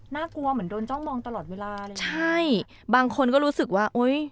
น่ากลัวเหมือนโดนจ้องมองตลอดเวลาเลยนะใช่บางคนก็รู้สึกว่าโอ้ย